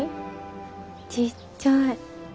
ちっちゃい。